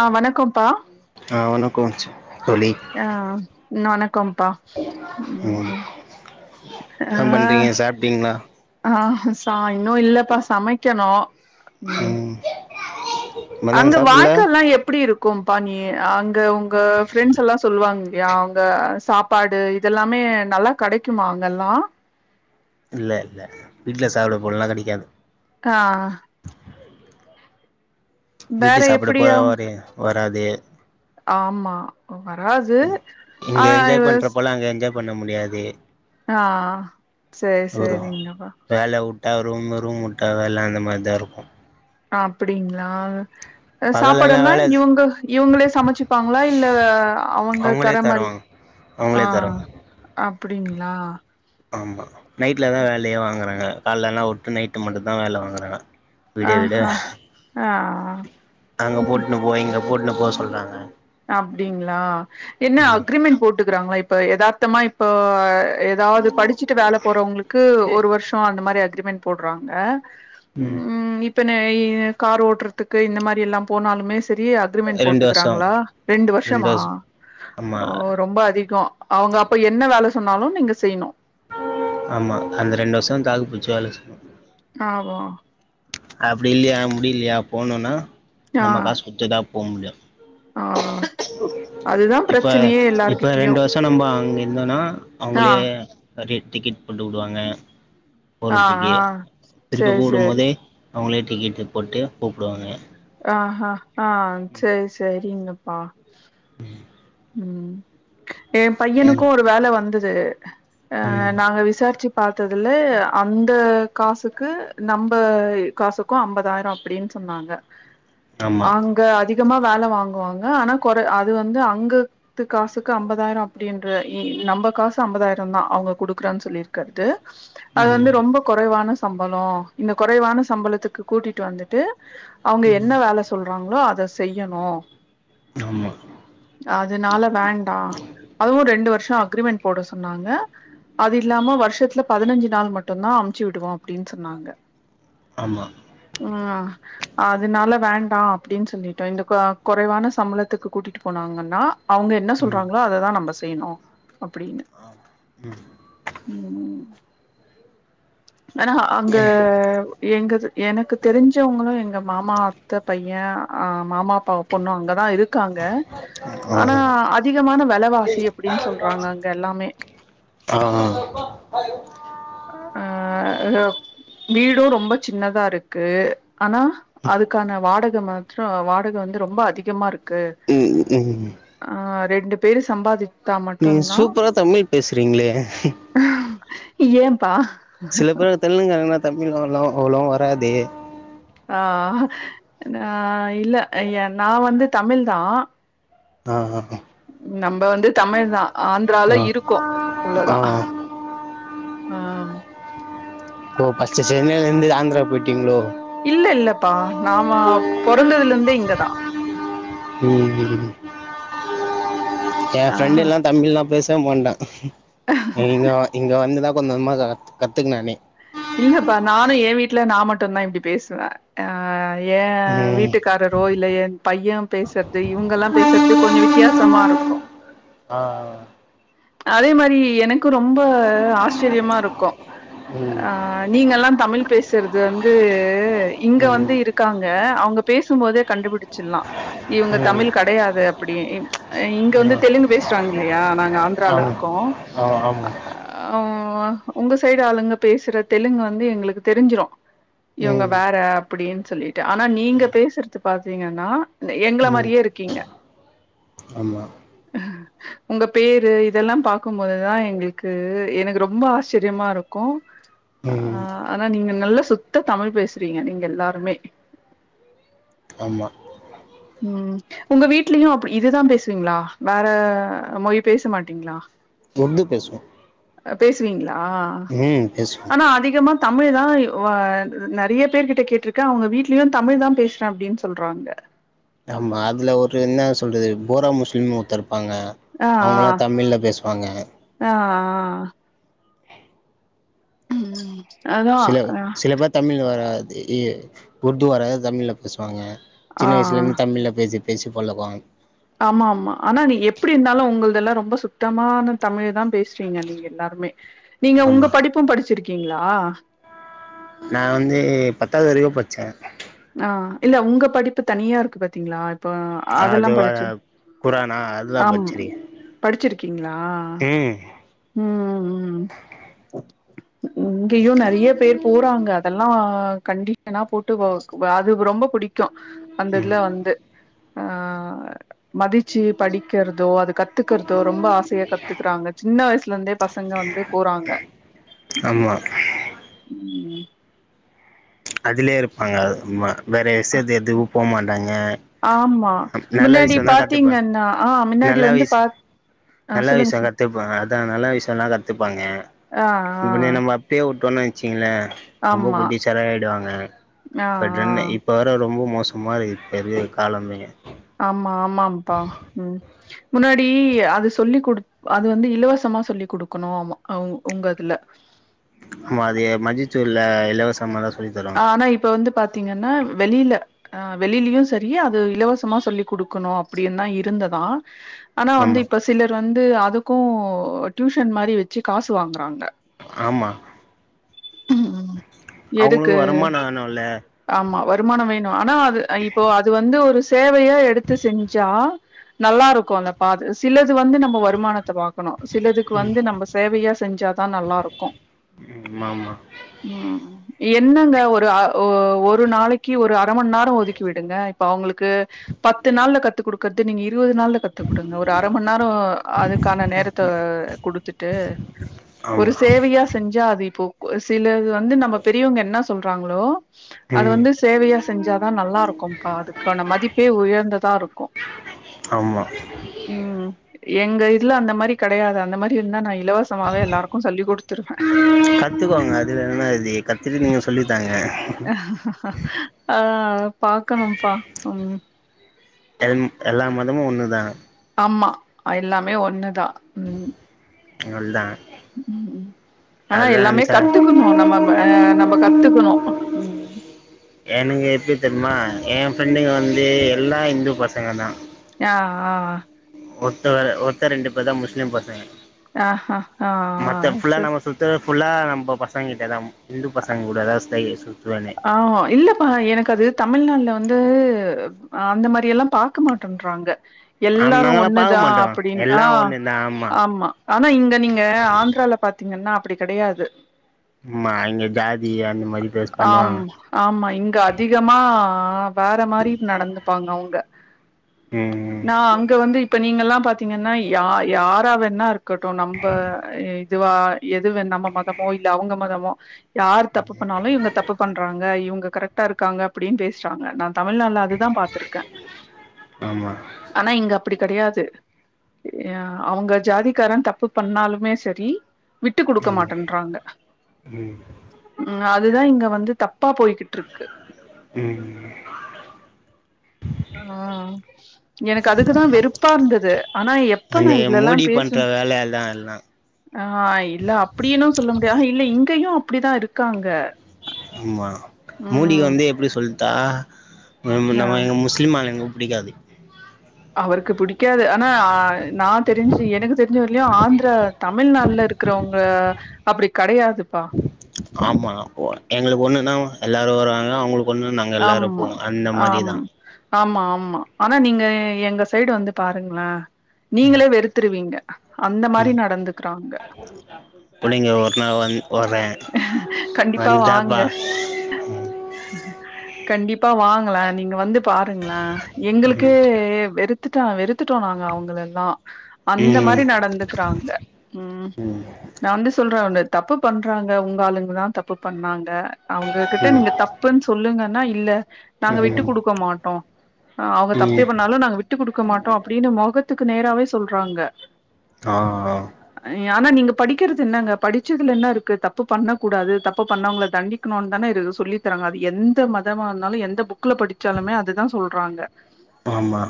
ஆ வணக்கோம்ப்பா ஆ வணக்கம் தோழி ஆ வணக் கம்ப்பா ம் ஆ என்ன பண்றிங்க சாப்ட்டிங்ளா ஆ சா இன்னு இல்லப்பா சமைக்கணு ம் மதியானோ அங்க சாப்புல்ல வாய்க்கால்லா எப்டி இருக்கும்ப்பா நீ அங்க உங்க ஃப்ரெண்ட்ஸ் எல்லா சொல்லுவாங்க இல்யா அங்க சாப்பாடு இதெல்லாமே நல்லா கெடைக்குமா அங்கல்லா இல்ல இல்ல வீட்ல சாப்ட போல்லா கெடைக்காது ஆ வீட்டு வேற சாப்பாடு எப்டி அவங்க போலவாது ஒட் டாது ஆமா வராது ஆ இங்க என்ஜாய் பண்ற இஸ் போல அங்க என்ஜாய் பண்ண முடியாது ஆ சேரி சேரிங்க பா ரூமு ரூம் உட்டா வேல அந்த மாற்தா இருக்கு அப்டிங்ளா அ பகலெல்லா சாப்பாடெல்லா வேல இவுங்க இவுங்களே சமச்சிப்பாங்ளா இல்ல ஆ அவுங்க அவங்களே தர மாறி தருவாங்க ஆ அவங்களே தருவாங்க அ அப்புடிங்ளா ஆமா நைட்லதா வேலயே வாங்குறாங்க கால்லல்லா உட்டு நைட்டு மட்டுந்தா வேல வாங்குறாங்க விடிய விடெ ஆஹா ஆ அங்கப் போட்ணு போ இங்கப் போட்ணு போ சொல்றாங்க அப்டிங்ளா என்ன அக்ரிமெண்ட் போட்டுக்குறாங்ளா இப் ப யதார்த்தமா இப்போ எதாவ்து படிச்சிட்டு வேல போறவுங்ளுக்கு ஒரு வர்ஷோ அந்த மாறி அக் அக்ரிமெண்ட் போட்றாங்க ம் இப்ப னு இ கார் ஓட்றத்துக்கு இந்த மாறி எல்லா போனாலுமேஸ் பெரிய அக்ரிமெண்ட் ரெண்டு வருஷோ போட்டுக்குறாங்ளா ண்டு ரெண்டு வர்ஷமா வருஷோ ஆமா ஓ ரொம்ப அதிகோ அவுங்க அப்ப என்ன வேல சொன்னாலு நீங்க செய்ணு ஆமா அந்த ரெண்டு வர்ஷொ தாக்குப்புட்ச்சி வேல செய்ணு ஆ ஓ அப்டி இல்லயா முடிலியா போனுனா ஆ நம்ம காசு குத்துதா போ முடியு ஆ அதுதா இப்ப பிரச்சனையே இப்ப எல்லார்கிட்டயு ரெண்டு வருஷோ நம்ப அங்க இந்தோனா ஆ அவுங்களே [unintelligible] டிக்கெட் போட்டு உடுவாங்க ஆ போறதிகே ஆ திருப்பி சேரி கூப்ட சேரி போதே அவுங்களே டிக்கெட்டு போட்டு கூப்டுவாங்க ஆஹ்ஹா ஆஹ் சேரி சேரிங்க அஹ் உம் ஏ பையனுக்கு ம் ஒரு வேல வந் தது ஆஹ் ம் நாங்க விசாரிச்சு பாத்ததுல அந்த காசுக்கு நம்ப காசுக்கு அம்பதாயிர அப்படின்னு சொன்னாங்க ஆமா அங்க அதி கமா வேலை வாங்குவாங்க ஆனா குறை அது வந்து அங்கத்து காசுக்கு அம்பதாயிர அப்படின்ற இ நம்ப காசு அம்பதாயிரந்தா அவங்க குடுக்குறன்னு சொல்லியிருக்கது அது வந்து ம் ரொம்ப குறைவான சம்பள இந்த குறைவான சம்பளத்துக்கு கூட்டிட்டு வந்துட்டு அவங்க என்ன வேலை சொல்றாங்ளோ அ அத செய்யணு ஆமா அதுனால வேண்டா அதுவு ரெண்டு வர்ஷ அக்ரிமென்ட் போட சொ ன்னாங்க அது இல்லாம வருஷத்துல பதினஞ்சு நாள் மட்டுந்தா அம்ச்சி விடுவோ அப்டின்னு சொன்னாங்க ஆமா ஆ அதுனால வேண்டா அப்டின் சொல்லிட்ட இந்த கு குறைவான சம்பளத்துக்கு கூட்டி ட்டு போனாங்கன்னா அவங்க என்ன ம் சொல்றாங்களோ அததா நம்ப செ செய்ணு அப்படின்னு ம் உம் ஆனா அங்க எங்கது எனக்கு தெரிஞ்சவங்களு எங்க மாமா அத்த பைய ஆஹ் மாமா அப்பாவ் பொண்ணு அங்கதா இருக் காங்க ஆ ஆனா அதிகமான வெலவாசி அப்டின்னு சொல்றாங்க அங்க எல்லாமே ஆ ஆ வீடு ரொம்ப சின்னதாருக்கு ஆனா அதுக்கான வாட க மாத்ர வாடக வந்து ரொம்ப அதிகமாருக் கு ம் ம் ஆ ரெண்டு பேரு சம்பாதி நீங்க சூப்பரா தமிழ் பேசுறீங்ளே ஏம்ப்பா சில பேரு தெலுங்காங்னா தமிழ் [unintelligible] அவ்ளவா வராதே ஆ ஆ இல்ல நா வந்து தமிழ் தா ஆ ஆ நம்ப வந்து தமிழ் தா ஆந்ரால ஆ இருக்கோ ஆ அவ்ளோதா ஆ சென்னைலேந்து ஆந்ரா போய்ட்டிங்ளோ இல்ல இல்லப்பா நாம பொறந்ததுலேந்தே இங்கதா ம் என் ஆ ஃப்ரெண்டு எல்லா தமிழ்லா பேச [unintelligible] இங்க இங்க வந்துதா கொஞ்ச கொஞ்சமா கத்துக்குனானே இல்லப்பா நானு என் வீட்ல நா மட்டுதா இப்டி பேசுவே ஆ ஏன் ம் வீட்டுக்காரரோ இல்ல என் பையன் பேசுறது இவங்கலா பேஸ்றது கொஞ்சோ வித்தியாசமாருக்கு ஆ அதே மாரி எனக்கு ரொம்ப ஆச்சர்யமாருக்கு ம் ஆ நீங்கலா தமிழ் பேசறது வந்து இங்க ம் வந்து இருக்காங்க [unintelligible] அவங்க பேசும்போதே கண்டுபிடிச்சிட்லா இவங்க ம் தமிழ் ஆ கடையாது அப்டி இங்க வந்து தெலுங்கு பேசுறாங்க இல்லயா நாங்க ஆந்ராலா ஆமா இருக்கோ ஆ ஆமா உங்க சைடு ஆளுங்க பேசுற தெலுங்கு வந்து எங்ளுக்கு தெரிஞ்சிரு இவங்க ம் வேற அப்டின் சொல்லிட்டு ஆனா நீங்க பேசுறது பாத்தீங்கன்னா எங்ள ம் மாரியே இருக்கீங்க ஆமா உங்க பேரு இதெல்லா பாக்கும்போதுதா எங்களுக்கு எனக்கு ரொம்ப ஆச்சர்யமாருக்கு ஆ ம் ஆனா நீங்க நல்ல சுத்த தமிழ் பேசுறீங்க நீங்க எல்லாருமே ஆமா ம் உங்க வீட்லயு அப்டி இதுதா பேசுவீங்ளா வேற மொயி பேச மாட்டீங்ளா [unintelligible] பேசுவோ [unintelligible] ஆ ம் பேசுவோ ஆனா அதிகமா தமிழ் தா வ நெறையா பேர்கிட்ட கேட்ருக்கே அவுங்க வீட்லயு தமிழ்தா பேசுறே அப்டின்னு சொல்றாங்க ஆமா அதுல ஒரு என்ன சொல்றது ஃபோரா முஸ்லிம்னு ஒருத்தர் இருப்பாங்க ஆ அவுங்கலா தமிழ்ல பேசுவாங்க ஆ ஆ ஆ உம் ம் அதா சில ஆ சிலப்பேர் தமிழ் வராது உருது வராது தமிழில்ல பேசுவாங்க ஆ சின்ன வயசுல இருந்து தமிழ்ல பேசி பேசி பளக்கோ ஆமா ஆமா ஆனா நீ எப்டி இருந்தாலு உங்கள்தெல்லா ரொம்ப சுத்தமான தமிழதா பேசுறீங்க நீங்க எல்லாருமே நீங்க உங்க ஆமா படிப்பும் படிச்சிருக் இருக்கீங்களா நா வந்து பத்தாவது வரைக்கு பட்ச்சே ஆ இல்ல உங்க படிப்பு தனியா இருக்கு பாத்தீங்களா அப்ப அதெல்லா அது வ படிச்சு குரானா அதுதா ஆம் படிச்சிருக்கே படிச்சிருக்கீங்களா ம் உம் உம் ம் இங்கயு நெறைய பேர் போறாங்க அதெல்லா கண்டிஷனா போட்டு அது ரொம்ப புடிக்கு அந்த ம் இதுல வந்து ஆ மதிச்சு படிக்கிற்தோ அது கத்துக்கிறதோ ரொம்ப ஆசையா கத்துக்குறாங்க சின்ன வயசுல இருந்தே பசங்க வந்து போறாங்க ஆமா உம் ம் அதுலையே இருப்பாங்க அ அம்மா வேற விஷயத்துக்கு எதுவு போம்மா அ ஆமா நல்ல முன்னாடி விஷயந்தா கத்துப்பே பாத்தீங்கன்னா ஆ முன்னாடி நல்ல வந்து விஷ் பா ஆ நல்ல சொல்லுங்க விஷயோ சொல்லுங்க கத்துப்பே அதா நல்ல விஷயோந்தா கத்துப்பாங்க ஆ இவன நம்ம அப்டியே விட்டோன வை சீங்கள ஆ ரொம்ப ஆமா குட்டிச் [unintelligible] வாங்க ஆ இப்ப சென்னை ஆ இப்ப வற ரொம்ப மோசமா இருக்கு பெரிய காலமே ஆமா ஆமாங்கப்பா உம் முன்னாடி அது சொல்லி் குடுத் அது வந்து இலவசமா சொல்லி குடுக்கணு ஆமாஅ உங் உங்கதுல மாது மஜ்ஜி [unintelligible] சுல இலவசமாதா சொல்லி தருவாங்க ஆனா இப்ப வந்து பாத்தீங்கன்னா வெளில ஆ வெளிலயு சரி அது இலவசமா சொல்லி் குடுக்கணு அப்புடிந்தா இருந்ததா ஆனா வந்து ஆமா இப்ப சிலர் வந்து ஆ அதுக்கு டியூஷன் மாரி வச்சு காசு வாங்குறாங்க ஆமா எதுக்கு அவங்களுக்கு வருமானம் வேணுல்ல ஆமா வருமானோ வேணு ஆனா அது இப்போ அது வந்து ஒரு சேவையா எடுத்து செஞ்சா நல்லா இருக்கூ இல்வ பா சிலது வந்து நம்ம வருமானத்த பார்க்கணு சிலதுக்கு வந்து நம்ம சேவையா செஞ்சாதா நல்லா இருக்கூ ம் ஆமா உம் என்னங்க ஒரு ஒரு நாளைக்கு ஒரு அர மண் நேரோ ஒதுக்கி விடுங்க இப்ப அவுங்களுக்கு பத்து நாள்ல கத்து குடுக்கறது நீங்க இருவது நாள்ல கத்து கொடுங்க ஒரு அர மண் நேரோ அதுக்கான நேரத்தை கொடுத்துட்டு ஒரு ஆமா சேவையா செஞ்சா அது இப்போ சிலது வந் ந்து நம்ம பெரியவங்க என்ன சொல்றாங்களோ அது ம் வந்து சேவையா செஞ்சாதான் நல்லா இருக்கும்பா அதுக்கான மதிப்பே உயர்ந்ததா இருக்கும் ஆமா உம் எங்க இல்ல அந்த மாரி கிடையாது அந்த மாரி இருந்தா நான் இலவசமாவே எல்லாருக்கும் சொல்லி் கொடுத்துருவே கத்துக்கோங்க அது இல்ல னா இது கத்துகிட்டு நீங்க சொல்லிதாங்க ஆ பாக்கணும்ப்பா ம் எல் எல்லா மதமும் ஒண்ணுதா ஆமா எல்லாமே ஒண்ணுதா ம் இவ்ளோதா ம் ம் ஆனா எல்லாமே கத்துக்குணு நம்ம ஆ நம்ம கத்துக்குணு உம் ம்மா என் ஃப்ரெண்டுங்க வந்து எல்லா இந்து பசங்க தா ஆ ஆ ஒர்த்த வேற ஒர்த்த ரெண்டு பேர் தா முஸ்லீம் பசங்க ஆ ஆ ஆ ஆ மத்த ஃபுல்லா ச நம்ம சுத்துற ஃபுல்லா நம் ப்போ பசங்கிட்டதா ஹிண்டு பசங்க கூட எதாது ஸ்டைல சுத்துவ ஆ இல்லப்பா எனக்கு அது தமிழ்நாட்ல வந்து ஆ அந்த மாரி எல்லா பாக்க மாட்டுன்ட்றாங்க ஆம் எல்லாரு நாங்கெல்லா பாக்க ஒண்ணுதா மாட்டோ அப்புடின் ஆ எல்லா ஒண்ணு தா ஆமா ஆனா இந்த நீங்க ஆந்த்ரால பாத் திங்கன்னா அப்புடி கெடயாது மா இங்க ஜாதி அந்த மாரி பேஸ் ஆம் பண்ணுவாங்க ஆமா இங்க அதிகமா ஆ வேற மாரி நடந்துப்பாங்க அவுங்க ம் ம் நா அங்க வந்து இப்ப நீங்கலா தீங்கன்னா யா யாரா வென்னா இருக்கட்டு நம்ப ஏய் இதுவா எதுவே நம்மோ மதமோ இல்ல அவுங்க மதமோ யார் தப்பு பண்ணாலு இவுங்கத் ட்றாங்க இவுங்க கரெக்டா இருக்காங்க அப்புடின் பேஸ்றாங்க நான் தமிழ்நாட்ல அதுதா பாத்திருக்க ஆமா ஆனா இங்க அப்புடி கெடுயா து யா அவுங்க ஜாதிக்காரன் தப்பு பண்ணாலுமே செரி விட்டு குடுக்க ம் மாட்டேன்றாங்க ம் உம் அதுதா இங்க தப்பா போய்கிட்ருக்கு உம் ஆஹ் எனக்கு அதுக்குதா வெறுப்பா இருந்தது ஆனா எப்ப நா அந்த இதுலெல்லா மோடி பண்ற பேஸன் வேலையதா எல்லா ஆ இல்ல அப்டீனு சொல்ல முடியா இல்ல இங்கயு அப்டிதா இருக்காங்க உம் மா மோடி ம் வந்து எப்டி சொல் தா ம ஆ முன்னமாலுக முஸ்லீம் ஆலுங்க பிடிக்காது அவருக்கு பிடிக்காது அனா ஆஹ் நான் தெரிஞ்சு எனக்கு தெரிஞ்ச வர்ல்யு ஆந்திரா தமிழ்நாள்ல இருக்குறவ்ங்க அப்புடி கெடையா ஆமா ஓ எங்கள்க் ஒண்ணு நா எல்லாரு வருவாங்க அவுங்களு ஆமா ஆம் ஆமா ஆ ஆமா ஆனா நீங்க எங்க சைடு வந்து பாருங்களேன் நீங்களே வெறுத்துருவீங்க அந்த மாரி நடந்துக்கறாங்க புள்ளைங்க ஒரு நாள் வந் வர்றே கண்டிப்பா வாங்க வந்துட்டாப்பா கண்டிப்பா வாங் கல நீங்க வந்துப் பாருங்களேன் எங்களுக்கே ம் வெறுக் த்துட்ட வெறுத்துட்டோம் நாங்க அவங்கள எல்லாம் அந்த ம் மாதிரி நடந்துக்கிறாங்க உம் நான் வந்து சொல்றேன் உன்ன தப்பு பண் றாங்க உங்க ஆளுங்கதான் தப்பு பண்ணாங்க அவங்ககிட்ட ம் நீங்க தப்புன்னு சொல்லுங்கன்னா இல்ல நாங்க விட்டு ம் ம் கொடுக்க மாட்டோம் அ அவங்க தப்பே ம் பண்ணாலும் நாங்க விட்டு கொடுக்க மாட்டோம் அப்படின்னு முகத் த்துக்கு நேராவே சொல்றாங்க ஆஹ் ஆனா நீங்க படிக்கிறது என்னங்க படிச்சதுல என்ன இருக் கு தப்பு பண்ண கூடாது தப்பு பண்ணவங்கள தண்டிக்கணும்னு தானே சொல்லி தரங்காது எந்த மதமா இருந்தாலும் எந்த புக்ல படிச்சாலுமே அதுதான் சொல்றாங்க ஆமா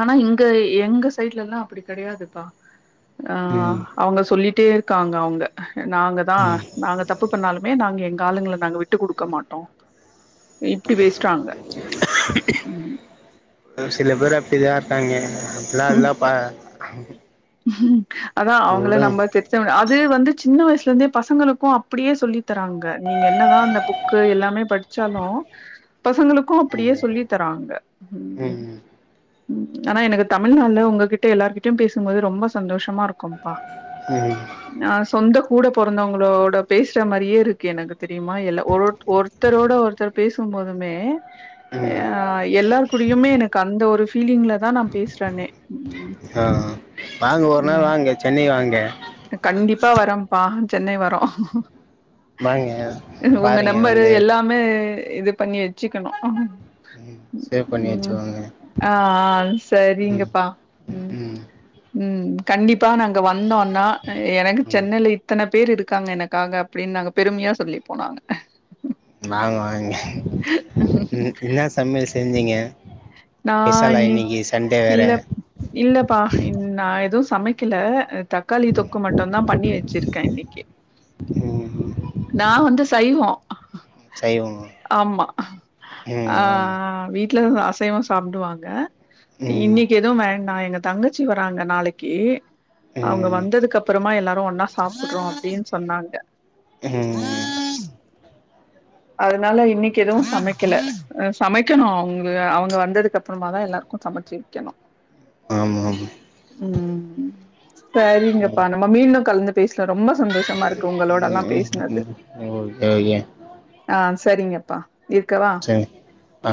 ஆனா இங்க எங்க சைட்ல எல்லாம் அப்படி கிடையாதுப்பா ஆஹ் ம் அவங்க சொல்லிட் டே இருக்காங்க அவங்க நான் தான் ம் நாங்க தப்பு பண்ணாலுமே நாங்க எங் காலங்கள நாங்க விட்டு குடுக்க மாட்டோம் இப்படி பேசறாங்க உம் சில பேர் அப்படிதா இருக்காங்க அப்படிலாம் இல்ல பா [inaudible] உஹம் அதான் அவங்கள உடுங் நம்ம தெட்சம் அது வந்து சின்ன வயசு துல இருந்தே பசங்களுக்கும் அப்படியே சொல்லி தராங்க நீங்க என்னதான் இந்த புக்கு எல்லாமே படிச்சாலும் பசங்களுக்கும் அப்படியே சொல்லி தராங்க ம் உம் ஆனா எனக்கு தமிழ்நால உங்ககிட்ட எல்லார்கிட்டயும் பேச போது ரொம்ப சந்தோஷமா இருக்கும்பா. ம் ஆஹ் சொந்த கூட பொறந்தவங்களோட பேசுற மாரியே இருக்கு எனக்கு தெரியுமா எல்லை ஒரு ஒருத்தரோட ஒருத்தர் பேசும் போதுமே ம் அஹ் எல்லார் கூடையுமே எனக்கு அந்த ஒரு ஃபீலிங்ல தான் நான் பேசுறேனே ம் ஆஹ் வாங்க ஒரு நாள் ம் வாங்க சென்னை வாங்க ங்க கண்டிப்பா வரம்பா சென்னை வரோ வாங்க உங்க பாருங்க நம்பரு வந்து எல்லாமே இது பண்ணி வச்சுக்கணும் ம் சேவ் பண்ணி உம் வச்சுக்கோங்க ஆஹ் ஹாங் ம் சரிங்கப்பா உம் ம் உம் கண்டிப்பா நாங்க வந்தோன்னா எனக்கு ம் சென்னையில இத்தனை பேர் இருக் காங்க எனக்காக அப்டின்னு நாங்க பெருமையா சொல்லிப்போ நாங்க நாங்களூம் வாங் இங்க ன்னு என்னா சமயல் செஞ்சீங்க நான் ஸ்பெஷலா இன்னிக் இன்னைக்கு சண்டே வேற இல்லப் இல்லப்பா நா எதுவும் சமைக்கல அஹ் தக்காளி தொக்கு மட்டும்தா பண்ணி வச்சிருக்கேன் இன்னிக்கி ம் நா வந்து சைவோம் சைவமா ஆமா ம் ஆமா ஆஹ் வீட் க்கிலோவாஸ்ட் சைவம் சாப்பிடுவாங்க ம் இன்னிக்கு எதுவும் வேண்டாம் எங்கத் தங்கச்சி வராங்க நாளைக்கி அவுங்க ம் வந்ததுக்கு அப்றமா எல்லா அப்றோ ஒன்னா சாப்டுறோ அப்டின் சொன்னாங்க ம் அதுனால இன்னைக்கு எதுவு சமைக்கல அ சமை க்கணு அவுங்க வந்ததுக்கு அப்புறமாதா எல்லாருக்கு சமச்சு வெக்கனு ஆமாமா ம் சேரிங்கப்பா நம்ம மீண்டு கலந்து பேசலா ரொம்ப சந்தோஷமா இருக்கு உங்களோடல்லா பேசுனது [unintelligible] ஒரு பையன் ஆ சரிங்கப்பா இருக்கவா அ